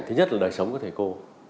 thứ nhất là đời sống của thầy cô